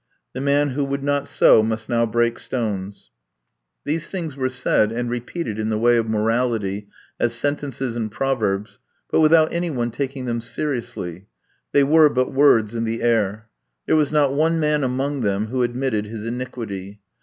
"The man who would not sow must now break stones." These things were said, and repeated in the way of morality, as sentences and proverbs, but without any one taking them seriously. They were but words in the air. There was not one man among them who admitted his iniquity.